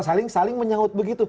saling saling menyangut begitu